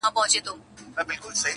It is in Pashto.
طوطي والوتی یوې او بلي خواته!.